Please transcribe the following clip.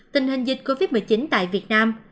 tình hình dịch covid một mươi chín tại việt nam